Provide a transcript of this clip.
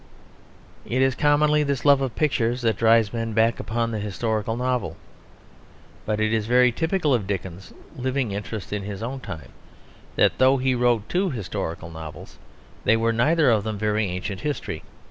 It is commonly this love of pictures that drives men back upon the historical novel. But it is very typical of Dickens's living interest in his own time, that though he wrote two historical novels they were neither of them of very ancient history.